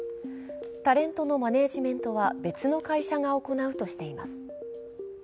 タレントのマネジメントは別の会社が行うとしています。